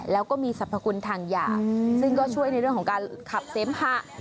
แล้วก็มีสรรพคุณทางยาซึ่งก็ช่วยในเรื่องของการขับเสมหะ